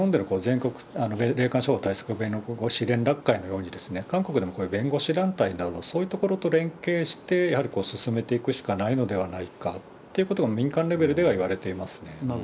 だから、日本の連絡会のように、韓国でもこういう弁護士団体など、そういうところと連携して進めていくしかないのではないかということが、民間レベルではいわれていますね。